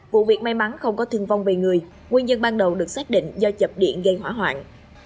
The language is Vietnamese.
vụ việc may mắn không có thương vong về người nguyên nhân ban đầu được xác định do chập điện gây hỏa hoạn